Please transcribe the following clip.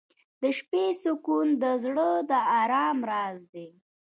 • د شپې سکون د زړه د ارام راز دی.